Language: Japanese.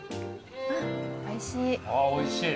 おいしい。